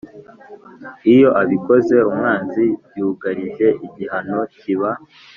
Iyo abikoze umwanzi yugarije igihano kiba